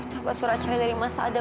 kenapa surat cerita dari mas adel